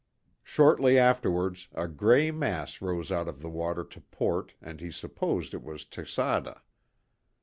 Shortly afterwards, a grey mass rose out of the water to port and he supposed it was Texada.